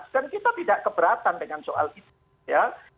dan kita tidak keberatan dengan soal itu ya